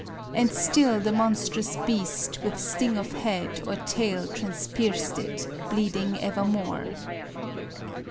And still the monstrous beast with sting of head Or tail transpierced it, bleeding evermore."